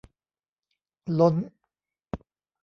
ล้น